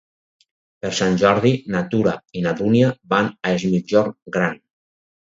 Per Sant Jordi na Tura i na Dúnia van a Es Migjorn Gran.